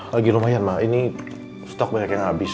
lagi lumayan mah ini stok banyak yang habis